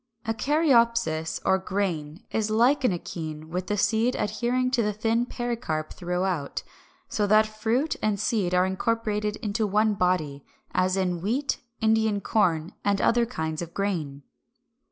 =A Caryopsis, or Grain=, is like an akene with the seed adhering to the thin pericarp throughout, so that fruit and seed are incorporated into one body; as in wheat, Indian corn, and other kinds of grain.